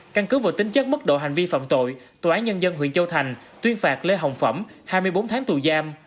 căn cứ vô tính chất mức độ hành vi phạm tội tòa án nhân dân huyện châu thành tuyên phạt lê hồng phẩm hai mươi bốn tháng tù giam